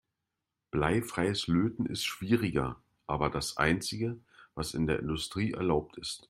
Bleifreies Löten ist schwieriger, aber das einzige, was in der Industrie erlaubt ist.